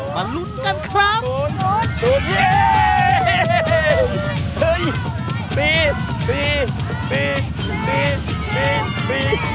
ลุ้นกันครับ